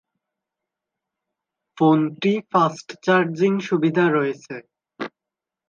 ফোনটি fast charging সুবিধা রয়েছে।